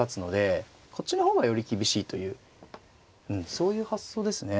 そういう発想ですね。